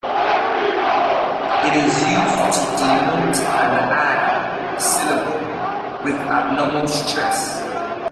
It is used to denote an "i" syllable with abnormal stress.